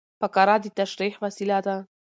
فقره د تشریح وسیله ده.